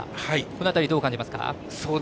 この辺り、どう感じますか？